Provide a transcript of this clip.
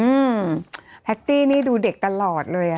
อืมแพตตี้นี่ดูเด็กตลอดเลยอ่ะ